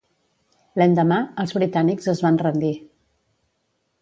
L'endemà, els britànics es van rendir.